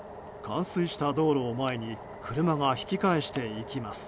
冠水した道路を前に車が引き返していきます。